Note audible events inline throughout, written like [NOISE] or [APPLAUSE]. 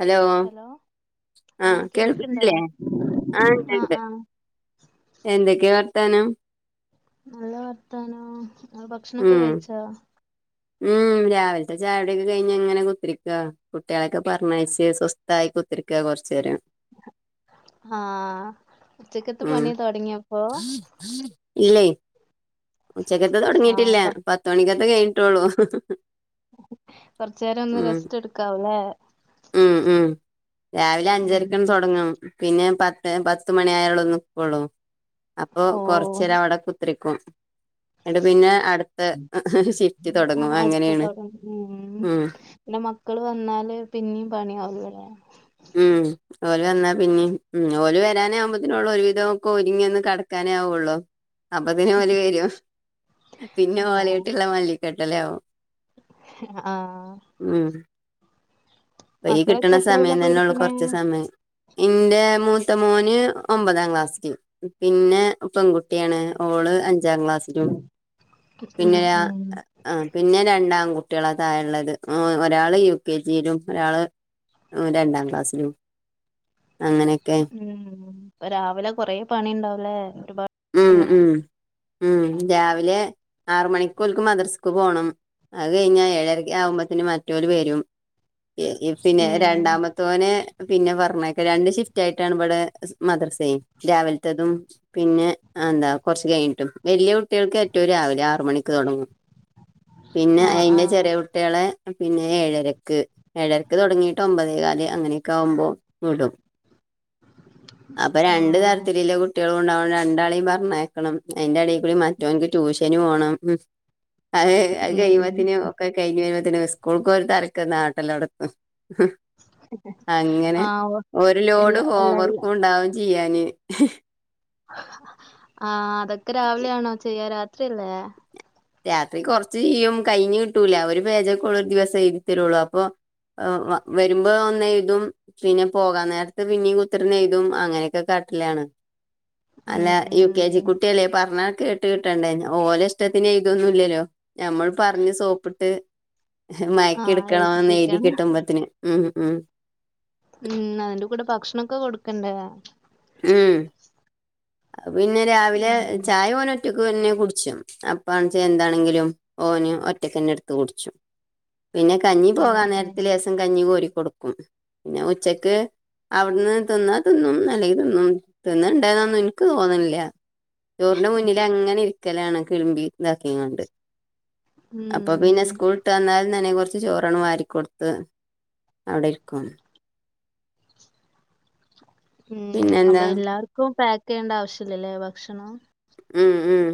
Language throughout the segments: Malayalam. ഹലോ ആഹ് കേൾക്ക്‌ണ്ല്ലേ ആഹ് ണ്ട് ണ്ട് എന്തെക്കെ വർത്താനം നല്ല വർത്താനോം ങ്ങള് ഭക്ഷണൊക്കെ ഉം കഴിച്ചാ ഉം രാവിൽത്തെ ചായുടിയൊക്കെ കഴിഞ്ഞ് ങ്ങനെ കുത്തിര്ക്ക കുട്ടിയാളൊക്കെ പറഞ്ഞയച്ച് സ്വസ് ത്തായ് കുത്രിയ്ക്ക കൊറച്ചേരം ആഹ് ഉച്ചക്കത്തെ പണി തൊടങ്ങിയപ്പൊ ഇല്ലേയ് ഉച്ചക്കത്തെ ആഹ് തൊടങ്ങിയിട്ടില്ല കൊ പത്തുമണിക്കത്തെ കഴിഞ്ഞിട്ടുള്ളൂ കൊറച്ചേരം ഒന്ന് ഉം റെസ്റ്റ് എടുക്കാവുല്ലേ ഉം ഉം രാവിലെ ഉം അഞ്ചരക്കാണ് തൊടങ്ങണം പിന്നെ പത്ത് പത്ത് മണി ആയാലൊള്ളുന്ന്ക്കൊള്ളൂ അപ്പൊ കൊറ്ച്ചേരം അവ്ടെ കുത്രിക്കും [UNINTELLIGIBLE] ഷിഫ്റ്റ് തൊടങ്ങും അപ്പൊ അങ്ങനെയാണ് അടുപ്പത്താവും ഉം [UNINTELLIGIBLE] പിന്നെ മക്കള് വന്നാല് പിന്നിം പണിയാവോലോ ഉം ഓല് വന്നാ പിന്നിം. ഓല് വരാനാവുമ്പോത്ത്നൊള്ളൂ ഒരുവിധം ഒക്കെ ഒര്ങ്ങി ഒന്ന് കടക്കാനാവുള്ളൂ അപത്തിന് ഓലെരും. പിന്നെ ആഹ് ഓലേയ്ട്ട്ള്ള മല്ലികെട്ടലാവും ആഹ് പ്പൊ ഈ മക്കളൊക്കെ കിട്ടണ എത്രയിലാ സമയം തന്നെ ഉള്ളൂ പഠിക്ക്ണേ കൊറച്ച് സമയം ഇന്റെ മൂത്ത മോന് ഒമ്പതാം ക്ലാസ്സില് പിന്നെ പെൺകുട്ടിയാണ് ഓള് അഞ്ചാം ക്ലാസ്സിലും ഉം പിന്നെ രാ ഉം ആ പിന്നെ രണ്ടാൺകുട്ട്യാളാ താഴെള്ളത് ഒരാള് യു കെ ജിയിലും ഒരാള് ഏഹ് രണ്ടാം ക്ലാസ്സിലും അങ്ങനെയൊക്കെ. ഉം പ്പൊ രാവിലെ കൊറേ പണിണ്ടാവുംലേ ഒരുപാട് ഉം ല്ലേ ഉം ഉം രാവിലെ ആറ് മണിക്കോൽക്ക് മദ്രസ്ക്ക് പോണം അത് കഴിഞ്ഞാ ഏഴരക്കാവുമ്പത്തിന് മറ്റോല് വരും പിന്നെ ഉം രണ്ടാമത്തെ ത്തോനെ പിന്നെ പറഞ്ഞയ്ക്ക രണ്ട് ഷിഫ്റ്റ് ആയിട്ടാണ് ബടെ മദ്രസെയ് രാവിൽ ത്തതും പിന്നെ അന്താ കൊർച്ച് കഴിഞ്ഞിട്ടും വല്യ കുട്ടിയേൾക്ക് ഏറ്റവും രാവിലെ ആറ് മണിക്ക് തൊടങ്ങും പിന്നെ ആഹ് അയിന്റെ ആഹ് ചെറിയ കുട്ട്യാളെ പിന്നെ ഏഴരക്ക്, ഏഴരക്ക് തൊടങ്ങിയിട്ട് ഒമ്പതേകാല് അങ്ങനെയൊക്കാവുമ്പോ വിടും അപ്പൊ രണ്ട് ആഹ് തരത്തില് ല്ലെ കുട്ട്യാളുണ്ടാവും രണ്ടാളീം പറഞ്ഞേക്കണം അയ്ന്റെടീക്കൂടി മറ്റോൻക്ക് ട്യൂഷന് പോണം ഉം അത് അത് ഉം കഴിയ്മ്പോത്തിന് ഒക്കെ കഴിഞ്ഞ് കഴിഞ്ഞ് വരുമ്പത്തിന് സ്കൂൾക്കൊരു തലക്കന്നാട്ടലൊടത്തും അങ്ങനെ ആഹ് ഒരു ഇല്ല ലോഡ് ഇല്ല ഇല്ല ഹോംവർക്കുണ്ടാവും ചെയ്യാന് ആഹ് അതൊക്കെ രാവിലെയാണോ ചെയ്യാ രാത്രിയല്ലേ രാത്രി കൊർച്ച് ചെയ്യും കഴിഞ്ഞ് കിട്ടൂല ഒരു പേജൊക്കൊള്ളൊരു ദിവസം എരഴ്തിത്തരുള്ളൂ അപ്പൊ വരുമ്പോ ഒന്നെഴുതും പിന്നെ പോകാൻ നേരത്ത് പിന്നെയും കുത്രിന്ന് എഴുതും അങ്ങനെയൊക്കെ കാട്ടലാണ് അല്ല ഉം യു കെ ജി ഉം കുട്ടിയല്ലേ പർഞ്ഞാ കേട്ട് കിട്ടണ്ടേ ഓലഷ്ടത്തി പിന്നെയ്തൊന്നുംല്ലല്ലോ ഞമ്മൾ പറഞ്ഞ് സോപ്പ്ട്ട് ആഹ് മയക്കിട്ക്കണം ഏൽപ്പിപ്പിക്കണം ഒന്നെയ്തിക്കിട്ടുമ്പത്തിന് ഉം ഉം ഉം അതിന്റെ കൂടെ ഭക്ഷണൊക്കെ കൊടുക്കണ്ടേയാ ഉം അത് പിന്നെ രാവിലെ ഉം ചായ ഓന് ഒറ്റക്ക് തന്നെ കുടിച്ചും അപ്പാണ്ച്ച എന്താണെങ്കിലും ഓന് ഒറ്റക്കെന്നെട്ത്ത് കുട്ച്ചും പിന്നെ കഞ്ഞി ഉം പോകാൻ നേരത്ത് ഉം ലേസം കഞ്ഞി കോരി കൊടുക്കും പിന്നെ ഉച്ചക്ക് അവിടുന്ന് തിന്നാ തിന്നും അല്ലെങ്കിൽ തിന്നും തിന്ന്ണ്ടേന്നൊന്നുൻ ക്ക് തോന്ന്ണ്ല്ല ചോറിന്റെ മുന്നിലങ്ങനെ ഇരിക്കലാണ് കിളിമ്പി താക്കികാണ്ട് അപ്പൊ ഉം പിന്നെ സ്കൂൾ ട്ടന്നാലുംതന്നെ കുറച്ച് ചോറണ് വാരി കൊട്ത്ത് അവിടെ ഇരിക്കും ഉം അപ്പൊ പിന്നെന്താ എല്ലാർക്കും പാക്കയ്യണ്ടാവശ്യല്ലലേ ഭക്ഷണം ഉം ഉം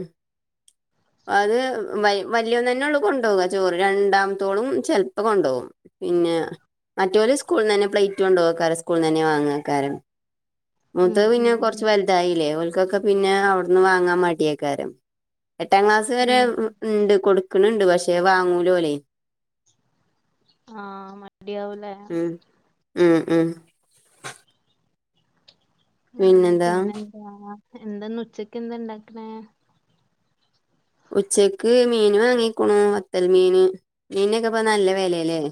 അത് വ വല്യോൻ തന്നെള്ളൂ കൊണ്ടോക ചോറ് രണ്ടാമത്തോളും ചെലപ്പോ കൊണ്ടോകും പിന്നെ മറ്റോല്സ്കൂൾന്നെന്നെ പ്ലേറ്റ് കൊണ്ടോവേക്കാരം സ്കൂൾന്നെന്നെ വാങ്ങേക്കാരം ഉം മൂത്തത് പിന്നെ ഉം കൊർച്ച് വൽതായീലേ ഓൽക്കൊക്കെ പിന്നെ അവിട്ന്ന് വാങ്ങാൻ മടിയേക്കാരം എട്ടാം ക്ലാസ് വരെ ഉം ഉണ്ട് കൊടുക്ക്ണ് ‌ ണ്ട് പക്ഷെ വാങ്ങൂലോലെയ് ആഹ് മടിയാവൂലേ ഉം ഉം ഉം ഉം പിന്നെന്താ എന്താന്നുച്ചക്കെന്താണ്ടാക്കണേ ഉച്ചക്ക് മീന് വാങ്ങിക്കുണു വത്തൽ മീന് മീന്നൊക്കെപ്പ നല്ല വെലേലേ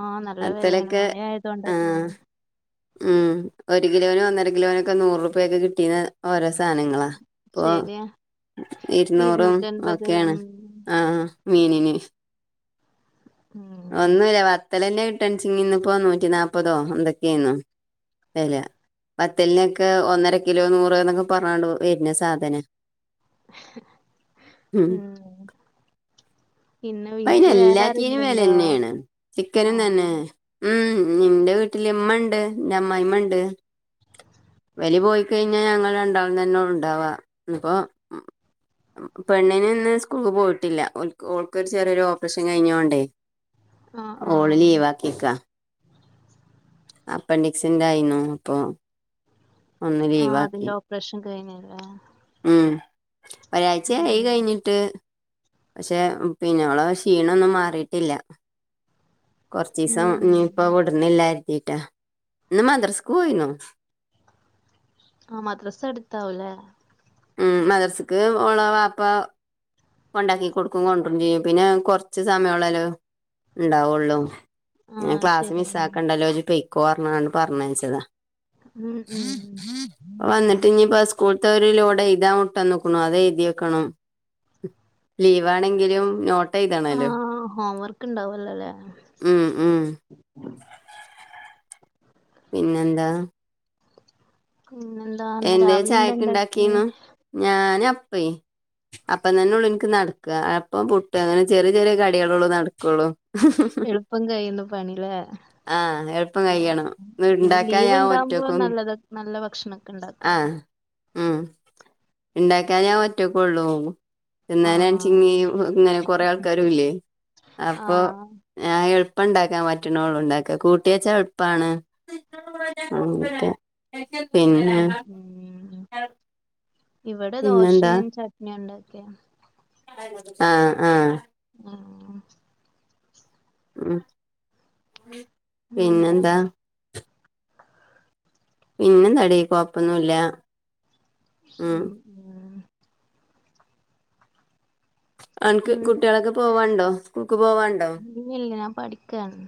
ആഹ് നല്ല വെലേണ് മഴായതോണ്ടാ ആ തോന്നുന്നു ഉം ഒരു കിലോനും ഒന്നര കിലോനൊക്കെ നൂറുപ്യക്കൊക്കെ കിട്ടീന്ന ഓരോ സാനങ്ങളാ പ്പോ ശരിയാ ഇപ്പ ഇരുന്നൂറും ഇരുന്നൂറ്റൻപത് ഒക്കെയാണ് ഉം ആ മീനിന് ഉം ഒന്നുല്ല വത്തലന്നെ കിട്ടാൻച്ചിങ്ങിന്നിപ്പോ നൂറ്റി നാപ്പതോ എന്തൊക്കെയ്ന്നു വെല വത്തലിനൊക്കെ ഒന്നര കിലോ നൂറ് എന്നൊക്കെ പറഞ്ഞാണ്ട് വര്ന സാധന ഉം പിന്നെ വീട്ടില് വേറെ പ്പഅയ്നെല്ലാത്തീനും ആരെങ്കിലും ഉണ്ടോ വെലെന്നേണ് ചിക്കനും ആഹ് തന്നെ ഉം ഞ്ഞിന്റെ വീട്ടില്മ്മണ്ട് ന്റമ്മായിമ്മണ്ട് വല് പോയി കഴിഞ്ഞാ ഞങ്ങള് രണ്ടാളും തന്നൊള്ളൂ ണ്ടാവാ ന്ന്പ്പോ മ് പെണ്ണിന് ന്ന് സ്കൂൾപോയ്ട്ടില്ല ഓൽക് ഓൾ- ക്ക് ചെറിയൊരു ഓപ്പ്റെഷൻ കഴിഞ്ഞോണ്ടേ ആഹ് ഓള് ആഹ് ലീവാക്കീക്കാ. അപ്പൻഡിക്സിന്റായിനു അപ്പൊ ഒന്ന് ആഹ് ലീവാക്കി അതിന്റെ ഓപ്പ്റേഷൻ കയ്ഞ്ഞീലേ ഉം ഒരായ്ച്ചായ് കഴിഞ്ഞിട്ട് പഷേ പിന്നോളെ ശീണൊന്നും മാറീട്ടില്ല കൊർച്ചീസം ഇനീ ഉം പ്പം വിട്നില്ലാര്തീട്ടാ ഇന്ന് മദ്രസ്ക്ക് പോയീനു ആഹ് മദ്രസടുത്താവൂലെ ഉം മദ്രസക്ക് ഓളെ വാപ്പ ഒണ്ടാക്കി കൊടുക്കും കൊഡ്രോ ചെയ്യും. പിന്നാ കൊർച്ച് സമയോള്ളല്ലോ ണ്ടാവുള്ളൂ. ഞാ ആഹ് ക്ലാസ് മിസ് ശരിയാണ് ആക്കണ്ടല്ലോച്പൊയ്. കോർഞ്ഞാണ്ട് പർഞ്ഞയ്ച്ചതാ. ഉം ഉം വന്നിട്ടീഞ്ഞി ബസ് സ്കൂൾത്തോര്ലോട് എയ്താം വിട്ടന്ന്ക്ക്ണു. അതെയ്തിവെക്കണം ലീവാണെങ്കിലും നോട്ട- ആഹ് ഹോംവർക്ക് ണ്ടാവോല്ലല്ലേ. ഉം ഉം പിന്നെന്താ? ന്നെന്താ ന്ന് രാവലെന്താ ണ്ടാക്കേ? ഞന് അപ്പേ. അപ്പം തന്നെള്ളു എന്ക്ക് നടക്കാ. അപ്പോം പുട്- ട്ട് അങ്ങനെ ചെറിയ ചെറിയ കടികളോള്ളു നട്ക്ക്ള്ളൂ. എളുപ്പം കയ്യുന്ന പണീലെ. ആഹ് എളുപ്പം ആഹ്, കഴിയണം പിന്നെ ഉണ്ടാക്കാൻ ലീവ് ഞാൻ ണ്ടാവുമ്പോ ഒറ്റക്കും നല്ലത് നല്ല ഭക്ഷണ ആഹ് ഹമ് ണ്ടാക്കാഞാ ഒറ്റകൊള്ളൂ. തിന്നാനാൺച്ചിങ്ങി ആഹ് ങ്ങനെ കൊറെ ആൾക്കാരുല്ലേ അപ്പൊ ആഹ് ഞാ എൾപ്പണ്ടാക്കാ പറ്റ്ണോള്ളു ണ്ടാക്കാ, കൂട്ട്യേച്ചാ എൾപ്പാണ്. [UNINTELLIGIBLE] പിന്നെ ഉം ഉംഹ് ഇവ്ടെ പിന്നെന്താ ദോശയും ചട്നിയാണ്ടാക്ക്യേയേ. ആഹ്, ആഹ്, ആഹ്. ആ പിന്നെന്താ? പിന്നെന്താടി കൊഴപ്പൊന്നുല്ലാ. ഉം ഉംഹ് അൻക്ക് ഉണ്ട് കുട്ട്യോളൊക്കെ പോവാണ്ടോ? സ്കുൾക്ക് പോവാ ഇല്ല്യല്ല്യ ഞാ പഠിക്കാണ്.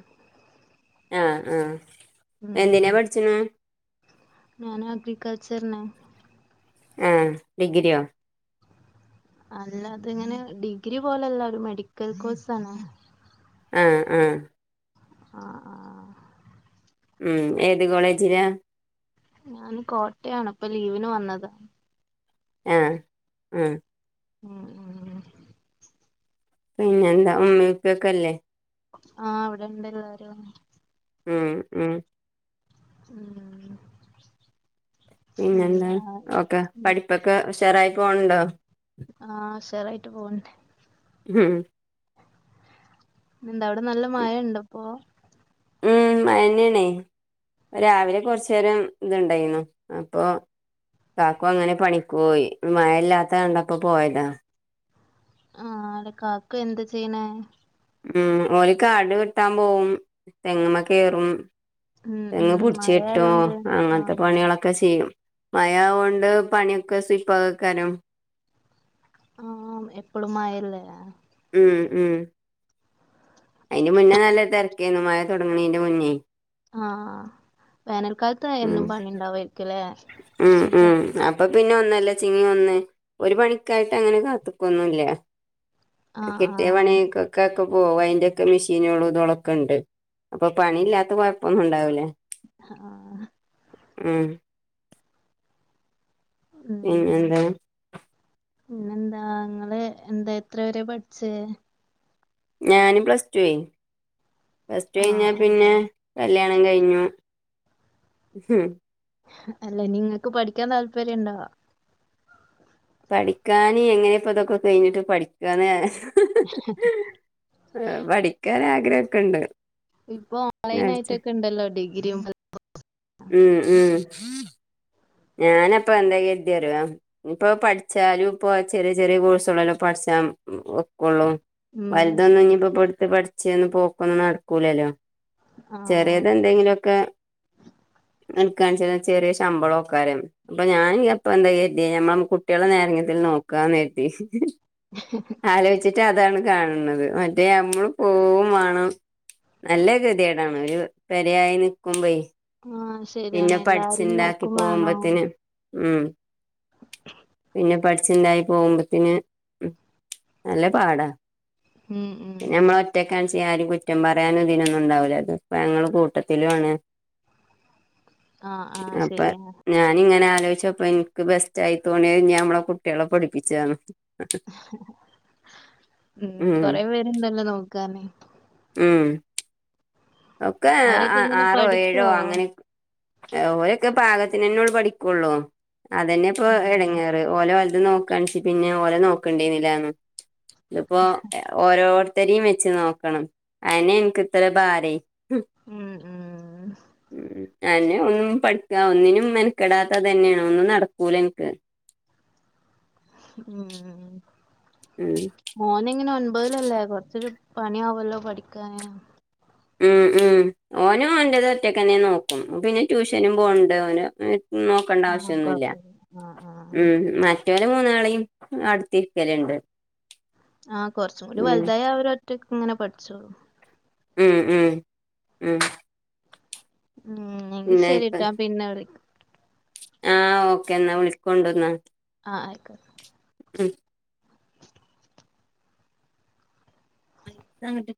ആഹ് ആഹ്. ഉം എന്തിനാ പഠിച്ച്ണ് ഞാന് അഗ്രികൾച്ചർന്. ആഹ്, ഡിഗ്രിയോ? അല്ല അത്ങ്ങനെ ഡിഗ്രി പോലല്ലാ ഒരു മെഡിക്കൽ കോഴ്സാണ്. ആഹ് ആഹ്. ആഹ് ആ. ഉംഹ് ഏത് കോളേജിലാ? ഞാന് കോട്ട്യാണ് പ്പൊ ലീവിന് വന്നതാ. യാഹ് ആഹ്. ആ ആഹ്. പിന്നെന്താ ഉമ്മ്യോപ്പൊക്കെല്ലേ? ആഹ് വ്ടെണ്ട് എല്ലാരും. ഉംഹ് ഉംഹ്. ഉം പിന്നെന്താ എന്താ ഓക്കെ ഉം പഠിപ്പൊക്കെ ഉഷാറായി പോണ്ണ്ണ്ടോ? ആഹ്, ഉഷാറായിട്ട് പോവ്ണ്ട്. ഉം. ന്താ അവടെ നല്ലാ മഴണ്ടോ ഇപ്പോ? ഉം മയന്നെണെയ്. രാവിലെ കൊറ്ചേരം ഇത് ഇണ്ടായിന്നു അപ്പൊ കാക്കു അങ്ങനെ പണിക്ക് പോയി, മയഇല്ലാത്ത കണ്ടപ്പോ പോയതാ. ആഹ്, അവടെ കാക്കു എന്താ ചെയ്യണേ? ഉം, ഓല് കാട് വേട്ടാം പോവും, തെങ്ങുമ്മേ കേറും. ഉം ഉം തേങ്ങ് പുടിച്ച് മഴ കേട്ടും, ആയോണ്ട് അങ്ങൻത്തെ ആഹ് പണിളോ ക്കെ ചെയ്യും, മഴ ആവോണ്ട് പണിയൊക്കെ സുയ്‌പ്പാവാക്കാരം. ആഹ്, എപ്പളും മയല്ലേ. ഉം ഉം അയിന്റെ മുന്നേ നല്ലേ തേരക്കേന്നു മയ തൊടങ്ണീന്റെ മുന്നേയ്. ആഹ് ആഹ്, വേനൽകാൽത്ത് ഉം എന്നും പണിണ്ടാവായിരിക്കുംലേ. ഉം ഉം അ അപ്പൊ പിന്നെ ഒന്നല്ലോചങ്ങി ഒന്ന് ഒര് പണിക്കായിട്ട് അങ്ങനെ കാത്ത്ക്കൊന്നും ഇല്ല്യാ. ആഹ് കിട്ടിയ ആഹ് പണിയേക്കെ ഇക്കാക്ക പോവയ്ന്റെ ഒക്കെ മെഷീനോള് തോളക്കണ്ട്, അപ്പൊ പണി ഇല്ലാത്ത കൊഴ്പ്പൊന്നും ഉണ്ടാവൂലാ. ആഹ് ഉം ഉം പിന്നെന്താ പിന്നെന്താ നിങ്ങള് എന്താ എത്ര വെരാ പഠിച്ചേ ഞാന് പ്ലസ് ടു വെ പ്ലസ് ടു ആഹ് കഴിഞ്ഞാ പിന്നെ ആഹ് കല്യാണം കയിഞ്ഞു ഉം അല്ല ഇനി നിങ്ങക്ക് പഠിക്കാൻ താല്പര്യം ഒണ്ടോ പഠിക്കാന് എങ്ങനെപ്പം ഇതൊക്കെ കയിഞ്ഞിട്ട് പഠിക്ക്യാന് ഹ് ഹാ ആഹ് പഠിക്കാൻ ആഗ്രഹം ഒക്കെ ഒണ്ട് ഇപ്പൊ ഓൺലൈൻ ആയിട്ടൊക്ക്യാ ഇണ്ടല്ലോ ഡിഗ്രിയും ഉം ഉം ഞാനപ്പം എന്താ [UNINTELLIGIBLE] ഇപ്പൊ പഠിച്ചാലും ഇപ്പൊ ചെറിയ ചെറിയ കോഴ്സളാല്ലും പഠിച്ചാ ഉം ള്ളു ഉം വല്തൊന്നും ശരി ഇനി ഇപ്പോ പോയിട്ട് പഠിച്ചൊന്നന്ന് പോക്കൊന്നും നടക്കൂല്ല അല്ലോ ആഹ് ചെറിയത് എങ്കിലോക്കും [UNINTELLIGIBLE] ചെറിയ ശമ്പളോം ആരം അപ്പൊ ഞാന് ഇപ്പോ എന്തേ [UNINTELLIGIBLE] ഞമ്മും കുട്ടികളെ നേരെ രീതില് നോക്കന്നയിട്ട് [INAUDIBLE] ആലോചിച്ചിട്ട് അതാണ് കാണ്ന്നാത് മറ്റേ നമ്മള് പോവ്യാ വേണം നല്ലാ ഗേതോടാണ് ഒര് പേരയായി നിക്കുമ്പോയേ ആഹാ ശേരിയാണ് എല്ലാരും നോക്കു വേണോം പോകുമ്പത്തിന് ഉം പിന്നെ പഠിച്ചിണ്ടായി പോകുമ്പോത്തേന് നല്ല പാടാ ഉം പിന്നാ ഉം ഞമ്മള് [UNINTELLIGIBLE] ആരും കുറ്റം പറയാനും ഇതിനൊന്നും ഒണ്ടാവില്ല അത് ഞങ്ങള് കൂട്ടത്തിലും ആണ് ആഹ് ആഹ് [UNINTELLIGIBLE] ശരിയാണ് ഞാന് ഇങ്ങനെ ആലോചിച്ചപ്പോ എനിക്ക് ബെസ്റ്റ് ആയി തോണി ഞാനാ ഞമ്മടെ കുട്ടിളെ പഠിപ്പിച്ചാന്ന് ഉം കൊറെ പേര് ഇണ്ടാല്ലോ നോക്കാന് ഉം ഒക്കെ അവരൊക്കെ ആഹ് എങ്ങനെ ആറോ ഏഴോ പഠിക്കോ അങ്ങനെ ഓരൊക്കെ പാകത്തിന്ന്നോട് പഠിക്കോള്ളൂ അത് തന്നെയാ ഇപ്പൊ ഉം ഇടങ്ങോറ് ഓലോ വലുത് നോക്കാണ പിന്നെ ഓലോ നോക്കണ്ടേനുന്നില്ലന്ന് ഇപ്പോ ഓരോ ഒത്തിരിയും വെച്ച് നോക്കണം അയിനെ എനിക്ക് ഇത്ര ഭാരായി ഉം ഉം ഉം അന്നെ ഒന്നും പഠിക്കാ ഒന്നിനും മെനക്കെടാത്ത തന്നെയാണ് ഒന്നും നടക്കൂല എനിക്ക് ഉം ഉം മോന്നങ്ങനെ ഒൻപതിലല്ലേ കൊറച്ചൊരു പണിയ ആവല്ലോ പഠിക്കാന് ഉം ഉം ഓനും ഓന്റെത് ഒറ്റക്കന്നെ നോക്കും പിന്നെ ട്യൂഷനും പോണ്ട് ഓന നോക്കണ്ട ആഹ് ആവശ്യമൊന്നുമല്ല കൊഴപ്പല്ല ആഹ് ആഹ് ഉം മറ്റെല്ലാ മൂന്നാളെയും അടുത്ത് ഇരിക്കല്ണ്ട് ആഹ് കുറച്ചും കൂടി വലുതായി അവര ഒറ്റ ഇങ്ങനെ പഠിച്ചോളൂ ഉം ഉം ഉം ഉം എങ്കി പിന്നെ ഇപ്പ ശരിട്ടാ പിന്നെ വിളിക്കാ ആഹ് ഓക്കെ എന്നാ വിളിക്കൊണ്ടന്നാ ആഹ് ആയിക്കോട്ടെ ഉം [INAUDIBLE]